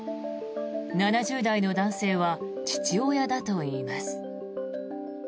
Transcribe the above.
７０代の男性は父親だといいます。